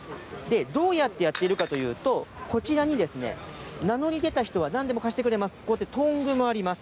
どうやってやっているかというと、こちらに名乗り出た人はなんでも貸してくれます。